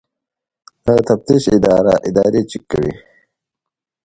د تفتیش اداره ادارې چک کوي